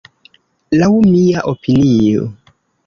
Laŭ mia opinio.